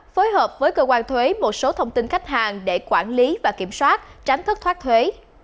phối hợp với cơ quan thuế một số thông tin khách hàng để quản lý và kiểm soát tránh thất thoát thuế